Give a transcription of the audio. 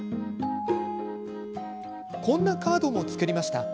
こんなカードも作りました。